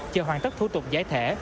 chờ hoàn tất thủ tục giải thể